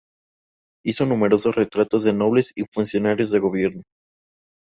Hizo numerosos retratos de nobles y funcionarios de gobierno.